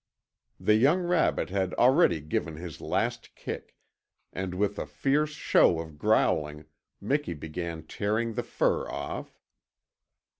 The young rabbit had already given his last kick, and with a fierce show of growling Miki began tearing the fur off.